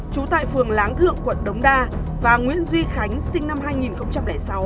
trú tại phường láng thượng quận đống đa và nguyễn duy khánh sinh năm hai nghìn sáu